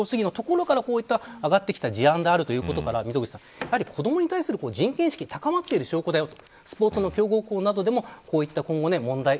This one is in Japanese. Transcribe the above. さらに勝利至上主義のスポーツ強豪校から上がってきた事案であるということから子どもに対する人権意識が高まっている証拠であると。